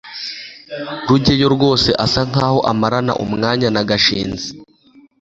rugeyo rwose asa nkaho amarana umwanya na gashinzi